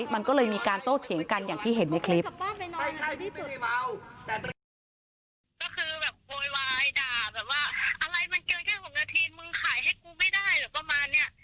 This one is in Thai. อะไรมันเกินแค่๖นาทีมึงขายให้กูไม่ได้หรือประมาณนี้